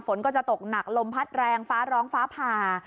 ฝนก็จะตกหนักลมพัดแรงฟ้าร้องฟ้าผ่า